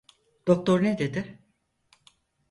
Doktor ne dedi?